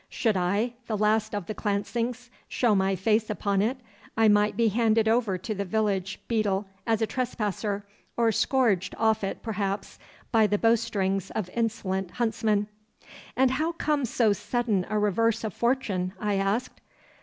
Should I, the last of the Clancings, show my face upon it, I might be handed over to the village beadle as a trespasser, or scourged off it perhaps by the bowstrings of insolent huntsmen.' 'And how comes so sudden a reverse of fortune?' I asked.